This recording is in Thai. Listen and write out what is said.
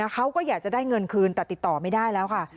เขาก็อยากจะได้เงินคืนแต่ติดต่อไม่ได้แล้วค่ะ